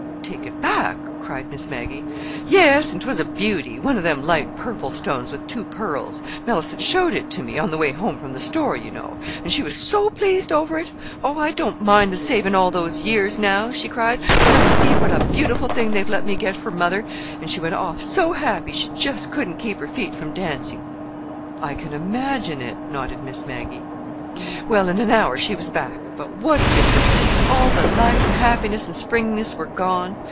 "Take it back!" cried Miss Maggie. "Yes. And 'twas a beauty—one of them light purple stones with two pearls. Mellicent showed it to me—on the way home from the store, you know. And she was so pleased over it! 'Oh, I don't mind the saving all those years now,' she cried, 'when I see what a beautiful thing they've let me get for mother.' And she went off so happy she just couldn't keep her feet from dancing." "I can imagine it," nodded Miss Maggie. "Well, in an hour she was back. But what a difference! All the light and happiness and springiness were gone.